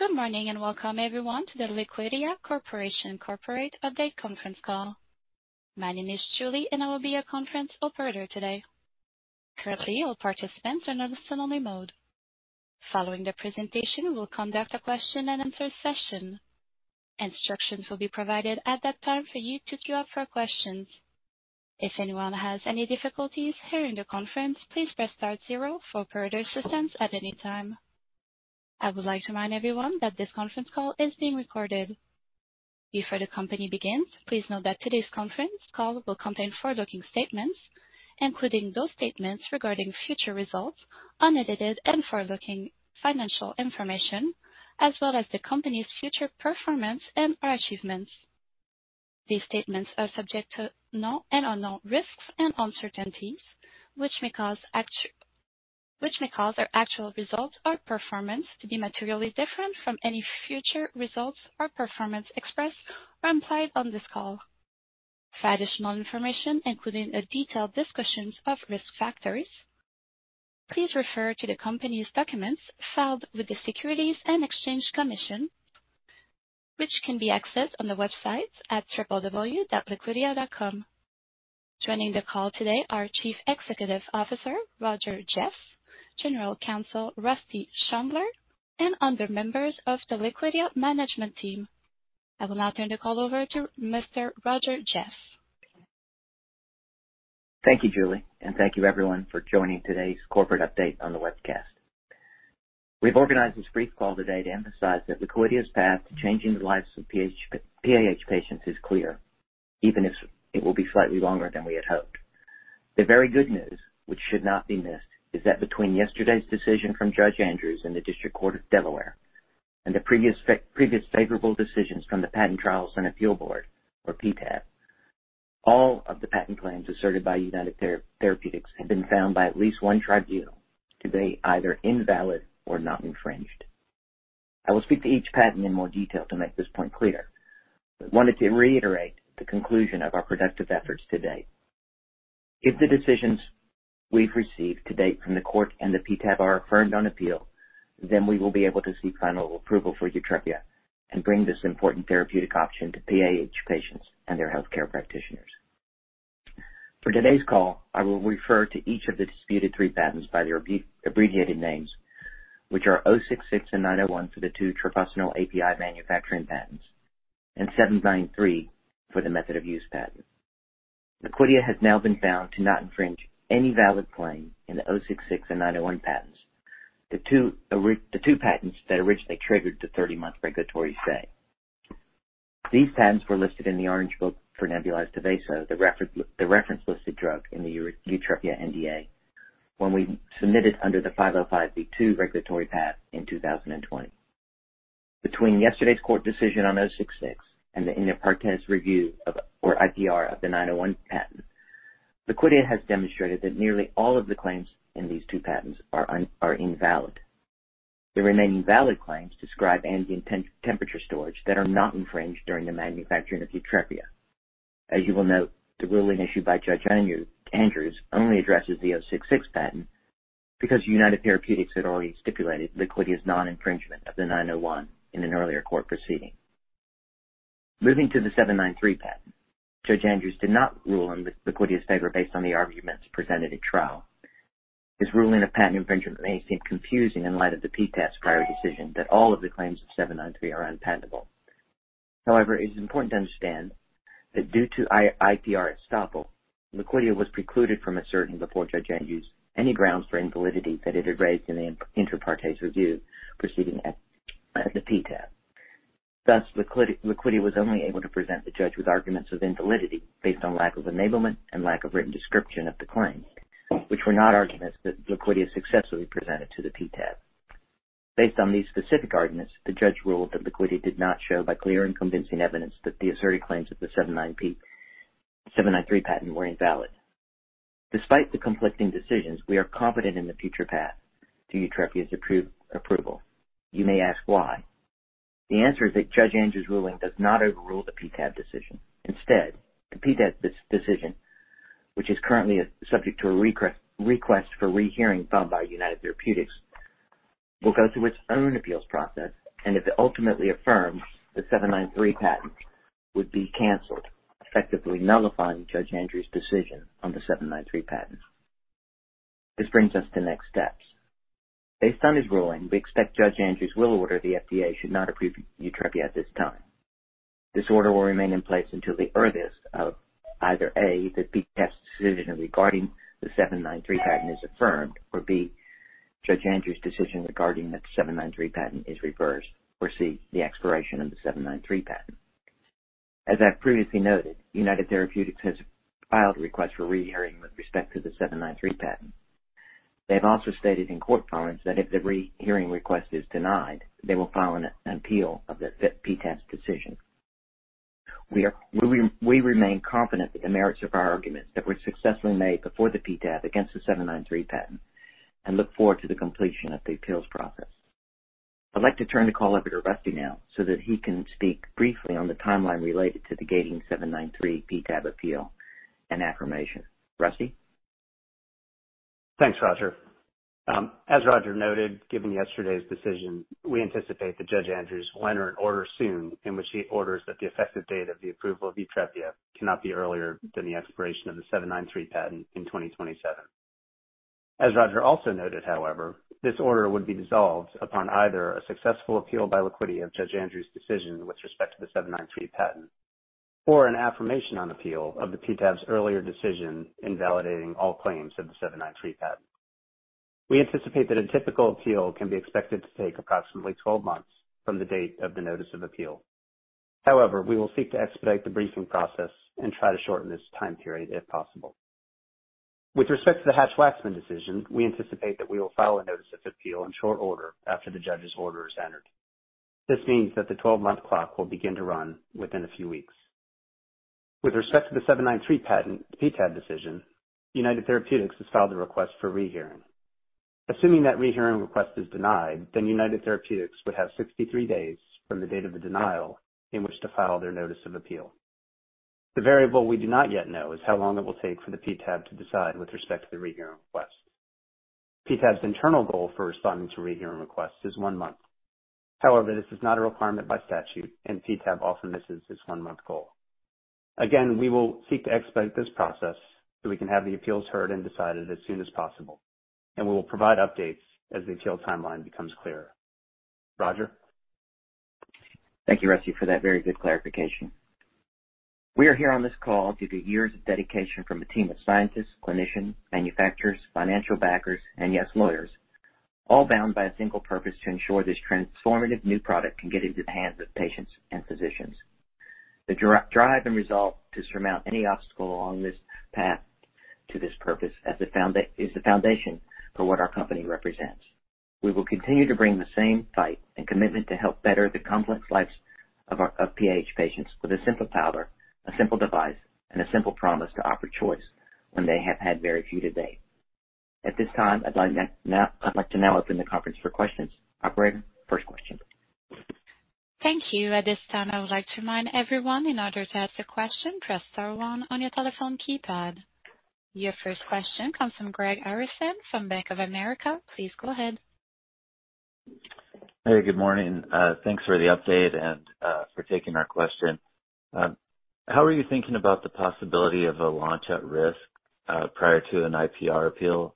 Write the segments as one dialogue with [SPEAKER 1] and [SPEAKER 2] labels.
[SPEAKER 1] Good morning, and welcome everyone to the Liquidia Corporation Corporate Update conference call. My name is Julie, and I will be your conference operator today. Currently, all participants are in a listen-only mode. Following the presentation, we'll conduct a question and answer session. Instructions will be provided at that time for you to queue up for questions. If anyone has any difficulties hearing the conference, please press star zero for operator assistance at any time. I would like to remind everyone that this conference call is being recorded. Before the company begins, please note that today's conference call will contain forward-looking statements, including those statements regarding future results, unaudited and forward-looking financial information, as well as the company's future performance and/or achievements. These statements are subject to known and unknown risks and uncertainties, which may cause our actual results or performance to be materially different from any future results or performance expressed or implied on this call. For additional information, including a detailed discussions of risk factors, please refer to the company's documents filed with the Securities and Exchange Commission, which can be accessed on the website at www.liquidia.com. Joining the call today are Chief Executive Officer Roger Jeffs, General Counsel Rusty Schundler, and other members of the Liquidia management team. I will now turn the call over to Mr. Roger Jeffs.
[SPEAKER 2] Thank you, Julie, and thank you everyone for joining today's corporate update on the webcast. We've organized this brief call today to emphasize that Liquidia's path to changing the lives of PAH patients is clear, even if it will be slightly longer than we had hoped. The very good news, which should not be missed, is that between yesterday's decision fromJudge Andrews in the District Court of Delaware and the previous favorable decisions from the Patent Trial and Appeal Board, or PTAB, all of the patent claims asserted by United Therapeutics have been found by at least one tribunal to be either invalid or not infringed. I will speak to each patent in more detail to make this point clear, but wanted to reiterate the conclusion of our productive efforts to date. If the decisions we've received to date from the court and the PTAB are affirmed on appeal, then we will be able to seek final approval for YUTREPIA and bring this important therapeutic option to PAH patients and their healthcare practitioners. For today's call, I will refer to each of the disputed three patents by their abbreviated names, which are '066 and '901 for the two treprostinil API manufacturing patents and '793 for the method of use patent. Liquidia has now been found to not infringe any valid claim in the '066 and '901 patents, the two patents that originally triggered the 30-month regulatory stay. These patents were listed in the Orange Book for nebulized Tyvaso, the reference listed drug in the our YUTREPIA NDA when we submitted under the 505(b)(2) regulatory path in 2020. Between yesterday's court decision on '066 and the inter partes review or IPR of the '901 patent, Liquidia has demonstrated that nearly all of the claims in these two patents are invalid. The remaining valid claims describe ambient temperature storage that are not infringed during the manufacturing of YUTREPIA. As you will note, the ruling issued by Judge Andrews only addresses the '066 patent because United Therapeutics had already stipulated Liquidia's non-infringement of the '901 in an earlier court proceeding. Moving to the '793 patent, Judge Andrews did not rule in Liquidia's favor based on the arguments presented at trial. His ruling of patent infringement may seem confusing in light of the PTAB's prior decision that all of the claims of '793 are unpatentable. However, it is important to understand that due to IPR estoppel, Liquidia was precluded from asserting before Judge Andrews any grounds for invalidity that it had raised in the inter partes review proceeding at the PTAB. Thus, Liquidia was only able to present the judge with arguments of invalidity based on lack of enablement and lack of written description of the claim, which were not arguments that Liquidia successfully presented to the PTAB. Based on these specific arguments, the judge ruled that Liquidia did not show by clear and convincing evidence that the asserted claims of the '793 patent were invalid. Despite the conflicting decisions, we are confident in the future path to YUTREPIA's approval. You may ask why. The answer is that Judge Andrews' ruling does not overrule the PTAB decision. Instead, the PTAB decision, which is currently subject to a request for rehearing filed by United Therapeutics, will go through its own appeals process, and if it ultimately affirms, the '793 patent would be canceled, effectively nullifying Judge Andrews' decision on the '793 patent. This brings us to next steps. Based on his ruling, we expect Judge Andrews will order the FDA should not approve YUTREPIA at this time. This order will remain in place until the earliest of either A, the PTAB's decision regarding the '793 patent is affirmed, or B, Judge Andrews' decision regarding the '793 patent is reversed, or C, the expiration of the '793 patent. As I previously noted, United Therapeutics has filed a request for rehearing with respect to the '793 patent. They have also stated in court filings that if the rehearing request is denied, they will file an appeal of the PTAB's decision. We remain confident that the merits of our arguments that were successfully made before the PTAB against the '793 patent and look forward to the completion of the appeals process. I'd like to turn the call over to Rusty now, so that he can speak briefly on the timeline related to the gating '793 PTAB appeal and affirmation. Rusty?
[SPEAKER 3] Thanks, Roger. As Roger noted, given yesterday's decision, we anticipate that Judge Andrews will enter an order soon in which he orders that the effective date of the approval of YUTREPIA cannot be earlier than the expiration of the '793 patent in 2027. As Roger also noted, however, this order would be dissolved upon either a successful appeal by Liquidia of Judge Andrews' decision with respect to the '793 patent or an affirmation on appeal of the PTAB's earlier decision invalidating all claims of the '793 patent. We anticipate that a typical appeal can be expected to take approximately 12 months from the date of the notice of appeal. However, we will seek to expedite the briefing process and try to shorten this time period if possible. With respect to the Hatch-Waxman decision, we anticipate that we will file a notice of appeal in short order after the judge's order is entered. This means that the 12-month clock will begin to run within a few weeks. With respect to the '793 patent, the PTAB decision, United Therapeutics has filed a request for rehearing. Assuming that rehearing request is denied, then United Therapeutics would have 63 days from the date of the denial in which to file their notice of appeal. The variable we do not yet know is how long it will take for the PTAB to decide with respect to the rehearing request. PTAB's internal goal for responding to rehearing requests is one month. However, this is not a requirement by statute, and PTAB often misses this one-month goal. Again, we will seek to expedite this process so we can have the appeals heard and decided as soon as possible, and we will provide updates as the appeal timeline becomes clearer. Roger.
[SPEAKER 2] Thank you, Rusty, for that very good clarification. We are here on this call due to years of dedication from a team of scientists, clinicians, manufacturers, financial backers and yes, lawyers, all bound by a single purpose to ensure this transformative new product can get into the hands of patients and physicians. The drive and resolve to surmount any obstacle along this path to this purpose is the foundation for what our company represents. We will continue to bring the same fight and commitment to help better the complex lives of our PAH patients with a simple powder, a simple device, and a simple promise to offer choice when they have had very few to date. At this time, I'd like to now open the conference for questions. Operator, first question.
[SPEAKER 1] Thank you. At this time, I would like to remind everyone, in order to ask a question, press star one on your telephone keypad. Your first question comes from Greg Harrison from Bank of America. Please go ahead.
[SPEAKER 4] Hey, good morning. Thanks for the update and for taking our question. How are you thinking about the possibility of a launch at risk prior to an IPR appeal?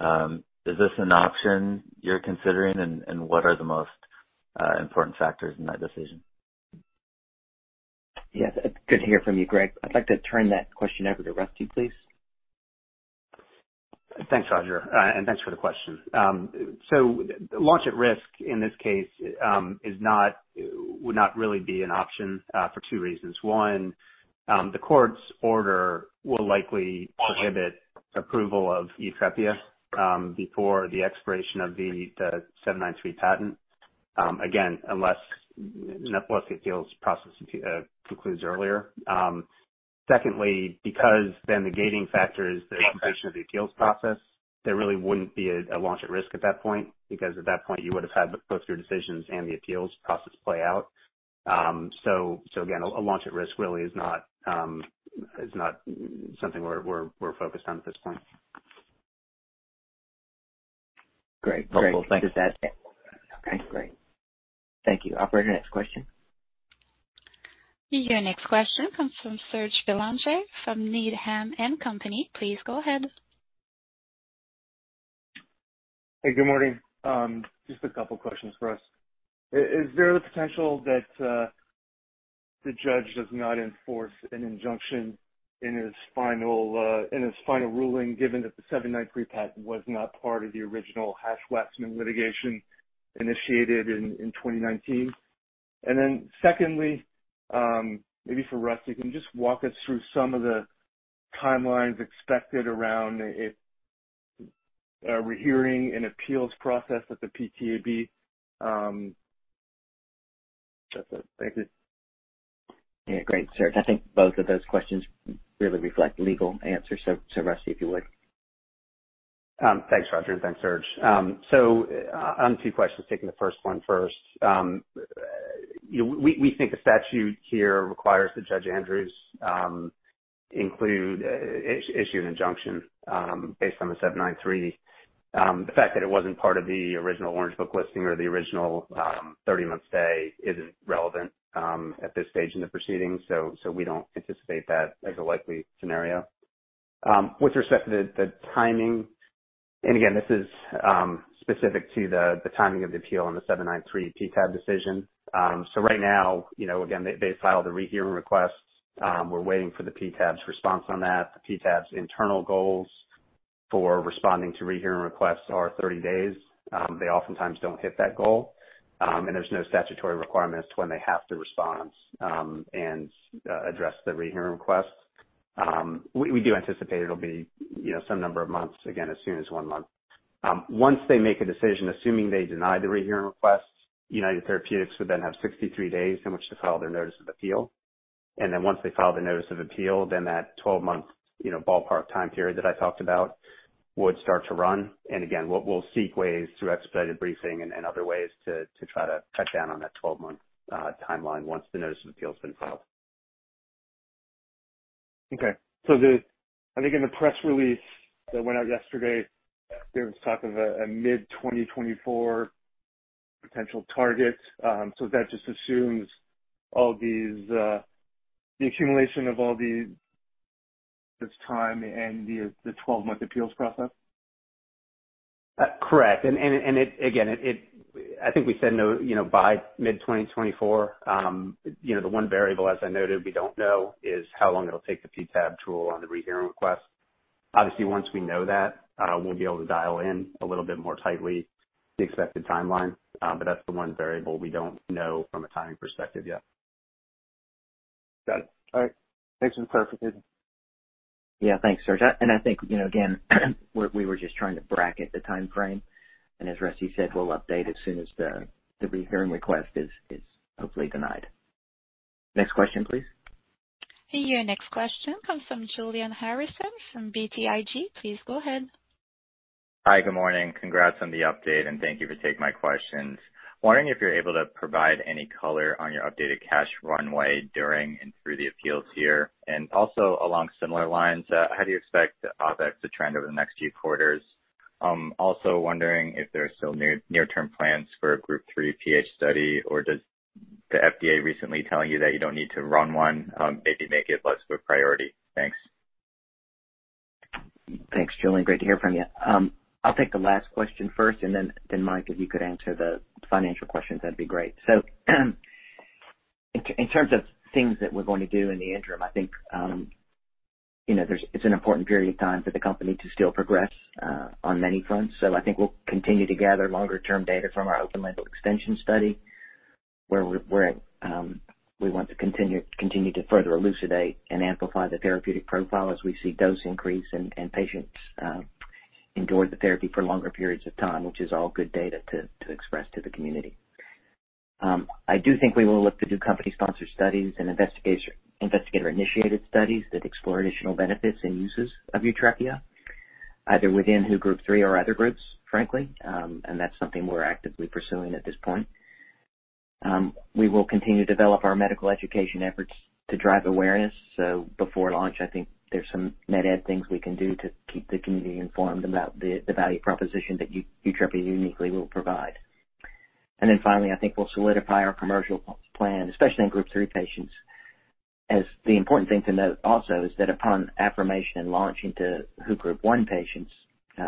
[SPEAKER 4] Is this an option you're considering? What are the most important factors in that decision?
[SPEAKER 2] Yes, it's good to hear from you, Greg. I'd like to turn that question over to Rusty, please.
[SPEAKER 3] Thanks, Roger, and thanks for the question. Launch at risk in this case is not, would not really be an option for two reasons. One, the court's order will likely prohibit approval of YUTREPIA before the expiration of the '793 patent, again, unless the IPR's appeals process concludes earlier. Secondly, because then the gating factor is the completion of the appeals process, there really wouldn't be a launch at risk at that point, because at that point you would have had both your decisions and the appeals process play out. Again, a launch at risk really is not something we're focused on at this point.
[SPEAKER 4] Great. Thanks.
[SPEAKER 2] Okay, great. Thank you. Operator, next question.
[SPEAKER 1] Your next question comes from Serge Belanger from Needham & Company. Please go ahead.
[SPEAKER 5] Hey, good morning. Just a couple questions for us. Is there the potential that the judge does not enforce an injunction in his final ruling, given that the '793 patent was not part of the original Hatch-Waxman litigation initiated in 2019? Secondly, maybe for Rusty, can you just walk us through some of the timelines expected around a rehearing and appeals process at the PTAB? That's it. Thank you.
[SPEAKER 2] Yeah. Great, Serge. I think both of those questions really reflect legal answers. Rusty, if you would.
[SPEAKER 3] Thanks, Roger, and thanks, Serge. On two questions, taking the first one first. You know, we think the statute here requires that Judge Andrews issue an injunction based on the '793. The fact that it wasn't part of the original Orange Book listing or the original 30 month stay isn't relevant at this stage in the proceedings. We don't anticipate that as a likely scenario. With respect to the timing and again, this is specific to the timing of the appeal on the '793 PTAB decision. Right now, you know, again, they filed a rehearing request. We're waiting for the PTAB's response on that. The PTAB's internal goals for responding to rehearing requests are 30 days. They oftentimes don't hit that goal, and there's no statutory requirement as to when they have to respond, and address the rehearing request. We do anticipate it'll be, you know, some number of months, again, as soon as one month. Once they make a decision, assuming they deny the rehearing request, United Therapeutics would then have 63 days in which to file their notice of appeal. Then once they file the notice of appeal, then that 12-month, you know, ballpark time period that I talked about would start to run. Again, we'll seek ways through expedited briefing and other ways to try to cut down on that 12-month timeline once the notice of appeal has been filed.
[SPEAKER 5] I think in the press release that went out yesterday, there was talk of a mid-2024 potential target. That just assumes all these, the accumulation of all this time and the 12-month appeals process?
[SPEAKER 2] Correct. It again, I think we said now, you know, by mid-2024. You know, the one variable, as I noted, we don't know is how long it'll take the PTAB to rule on the rehearing request. Obviously, once we know that, we'll be able to dial in a little bit more tightly the expected timeline. That's the one variable we don't know from a timing perspective yet.
[SPEAKER 5] Got it. All right. Thanks for the clarification.
[SPEAKER 2] Yeah, thanks, Serge. I think, you know, again, we were just trying to bracket the timeframe, and as Rusty said, we'll update as soon as the rehearing request is hopefully denied. Next question, please.
[SPEAKER 1] Your next question comes from Julian Harrison from BTIG. Please go ahead.
[SPEAKER 6] Hi. Good morning. Congrats on the update, and thank you for taking my questions. Wondering if you're able to provide any color on your updated cash runway during and through the appeals year. Also along similar lines, how do you expect OpEx to trend over the next few quarters? Also wondering if there's still near-term plans for a Group 3 PH study or does the FDA recently telling you that you don't need to run one, maybe make it less of a priority? Thanks.
[SPEAKER 2] Thanks, Julian. Great to hear from you. I'll take the last question first, and then, Mike, if you could answer the financial questions, that'd be great. In terms of things that we're going to do in the interim, I think you know it's an important period of time for the company to still progress on many fronts. I think we'll continue to gather longer-term data from our open-label extension study where we're at. We want to continue to further elucidate and amplify the therapeutic profile as we see dose increase and patients endure the therapy for longer periods of time, which is all good data to express to the community. I do think we will look to do company sponsor studies and investigator initiated studies that explore additional benefits and uses of YUTREPIA, either within WHO Group 3 or other groups, frankly. That's something we're actively pursuing at this point. We will continue to develop our medical education efforts to drive awareness. Before launch, I think there's some MedEd things we can do to keep the community informed about the value proposition that YUTREPIA uniquely will provide. Then finally, I think we'll solidify our commercial plan, especially in WHO Group 3 patients, as the important thing to note also is that upon affirmation and launch into WHO Group 1 patients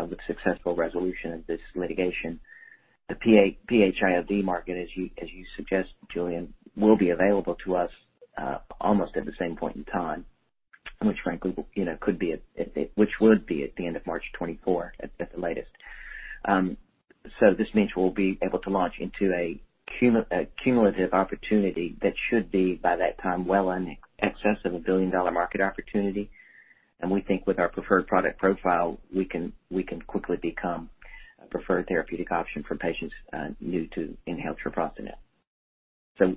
[SPEAKER 2] with successful resolution of this litigation, the PH-ILD market, as you suggest, Julian, will be available to us almost at the same point in time, which frankly could be at the end of March 2024 at the latest. This means we'll be able to launch into a cumulative opportunity that should be, by that time, well in excess of a billion-dollar market opportunity. We think with our preferred product profile, we can quickly become a preferred therapeutic option for patients new to inhaled treprostinil.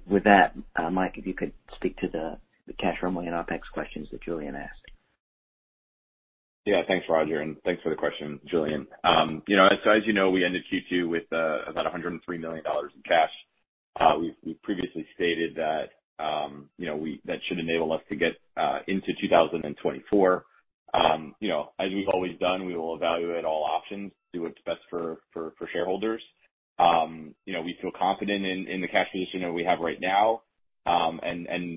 [SPEAKER 2] With that, Mike, if you could speak to the cash runway and OpEx questions that Julian asked.
[SPEAKER 7] Yeah. Thanks, Roger, and thanks for the question, Julian. You know, as you know, we ended Q2 with about $103 million in cash. We've previously stated that that should enable us to get into 2024. You know, as we've always done, we will evaluate all options, do what's best for shareholders. You know, we feel confident in the cash position that we have right now.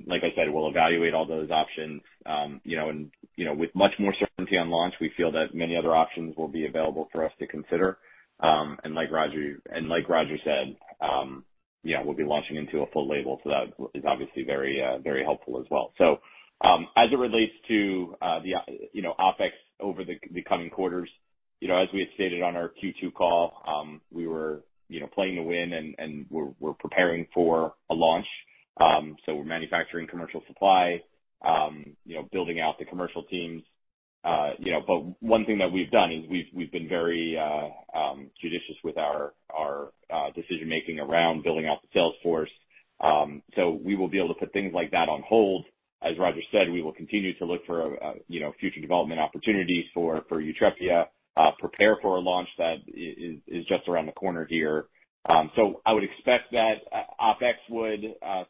[SPEAKER 7] Like I said, we'll evaluate all those options. You know, with much more certainty on launch, we feel that many other options will be available for us to consider. Like Roger said, yeah, we'll be launching into a full label, so that is obviously very helpful as well. As it relates to the you know OpEx over the coming quarters, you know, as we had stated on our Q2 call, we were you know playing to win and we're preparing for a launch. We're manufacturing commercial supply, you know, building out the commercial teams. You know, but one thing that we've done is we've been very judicious with our decision-making around building out the sales force. We will be able to put things like that on hold. As Roger said, we will continue to look for you know future development opportunities for YUTREPIA, prepare for a launch that is just around the corner here. I would expect that OpEx would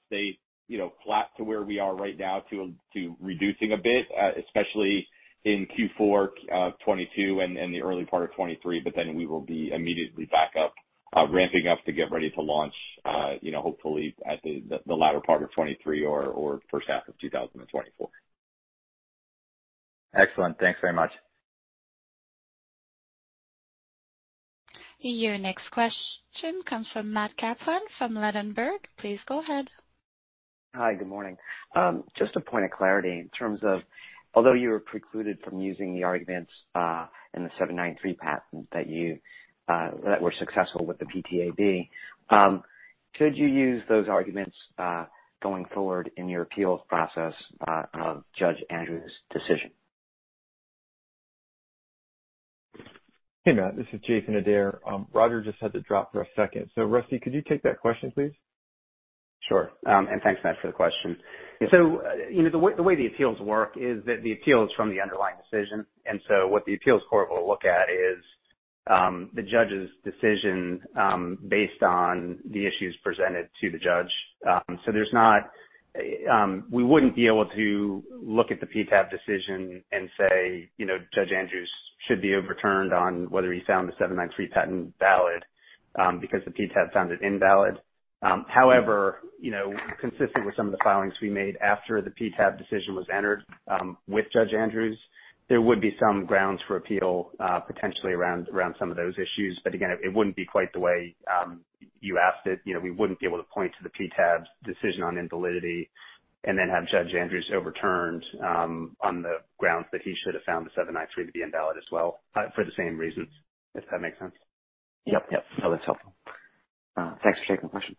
[SPEAKER 7] stay, you know, flat to where we are right now to reducing a bit, especially in Q4 2022 and the early part of 2023, but then we will be immediately back up, ramping up to get ready to launch, you know, hopefully at the latter part of 2023 or first half of 2024.
[SPEAKER 6] Excellent. Thanks very much.
[SPEAKER 1] Your next question comes from Matt Kaplan from Ladenburg. Please go ahead.
[SPEAKER 8] Hi. Good morning. Just a point of clarity in terms of although you were precluded from using the arguments in the '793 patent that were successful with the PTAB, could you use those arguments going forward in your appeals process of Judge Andrews' decision?
[SPEAKER 9] Hey, Matt, this is Jason Adair. Roger just had to drop for a second. Rusty, could you take that question, please?
[SPEAKER 3] Sure. Thanks, Matt, for the question. You know, the way the appeals work is that the appeal is from the underlying decision. What the appeals court will look at is the judge's decision based on the issues presented to the judge. There's not. We wouldn't be able to look at the PTAB decision and say, you know, Judge Andrews should be overturned on whether he found the '793 patent valid, because the PTAB found it invalid. However, you know, consistent with some of the filings we made after the PTAB decision was entered, with Judge Andrews, there would be some grounds for appeal, potentially around some of those issues. Again, it wouldn't be quite the way you asked it.
[SPEAKER 2] You know, we wouldn't be able to point to the PTAB's decision on invalidity and then have Judge Andrews overturned on the grounds that he should have found the '793 to be invalid as well for the same reasons, if that makes sense.
[SPEAKER 8] Yep. No, that's helpful. Thanks for taking the question.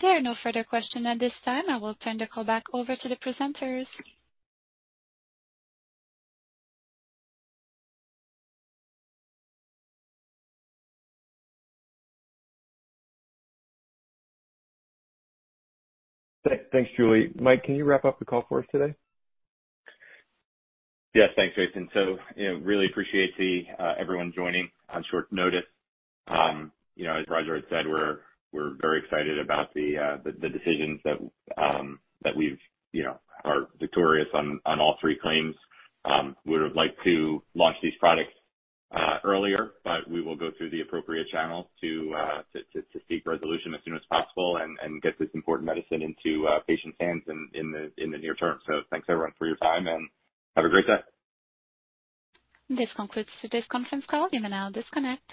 [SPEAKER 1] There are no further questions at this time. I will turn the call back over to the presenters.
[SPEAKER 9] Thanks, Julie. Mike, can you wrap up the call for us today?
[SPEAKER 7] Yes, thanks, Jason. You know, really appreciate everyone joining on short notice. You know, as Roger had said, we're very excited about the decisions that we've you know are victorious on all three claims. Would have liked to launch these products earlier, but we will go through the appropriate channels to seek resolution as soon as possible and get this important medicine into patients' hands in the near term. Thanks everyone for your time, and have a great day.
[SPEAKER 1] This concludes today's conference call. You may now disconnect.